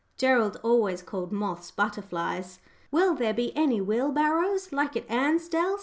Gerald always called moths butterflies "Will there be any wheelbarrows, like at Ansdell?"